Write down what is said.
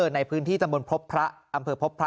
ในพื้นที่ตำบลพบพระอำเภอพบพระ